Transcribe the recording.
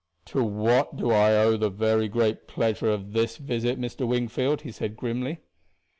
"To what do I owe the very great pleasure of this visit, Mr. Wingfield?" he said grimly.